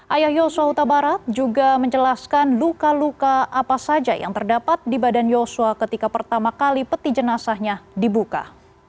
ayah yosua huta barat juga menjelaskan luka luka apa saja yang terdapat di badan yosua ketika pertama kali peti jenazahnya dibuka